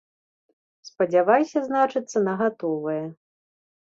Спадзявайся, значыцца, на гатовае.